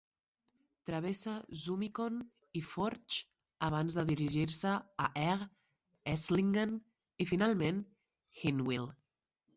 Travessa Zumikon i Forch abans de dirigir-se a Egg, Esslingen i, finalment, Hinwil.